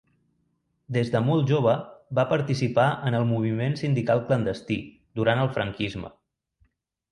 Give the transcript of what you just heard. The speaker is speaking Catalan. Des de molt jove va participar en el moviment sindical clandestí durant el franquisme.